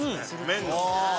麺の。